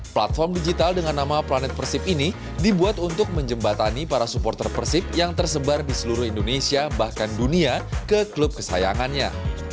platform digital dengan nama planet persib ini dibuat untuk menjembatani para supporter persib yang tersebar di seluruh indonesia bahkan dunia ke klub kesayangannya